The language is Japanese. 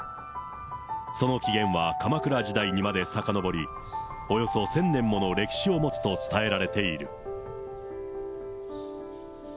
その起源は鎌倉時代にまでさかのぼり、およそ１０００年もの歴史を持つと伝えられている。